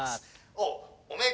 おうおめえ